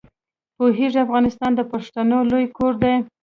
پوهېږې افغانستان د پښتنو لوی کور دی.